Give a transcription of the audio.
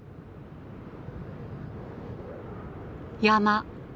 山